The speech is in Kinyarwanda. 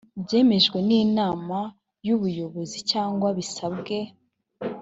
byemejwe n inama y ubuyobozi cyangwa bisabwe